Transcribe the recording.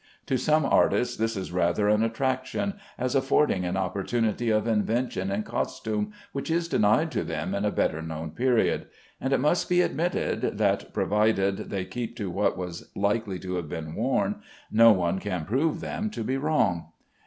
To some artists this is rather an attraction, as affording an opportunity of invention in costume, which is denied to them in a better known period; and it must be admitted that, provided they keep to what was likely to have been worn, no one can prove them to be wrong.